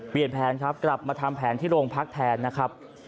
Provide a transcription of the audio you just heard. แผนครับกลับมาทำแผนที่โรงพักแทนนะครับ